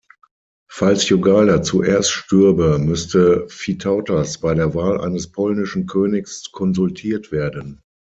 Falls Jogaila zuerst stürbe, müsste Vytautas bei der Wahl eines polnischen Königs konsultiert werden.